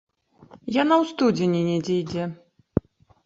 Яна ў студзені недзе ідзе.